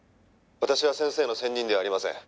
「私は先生の専任ではありません」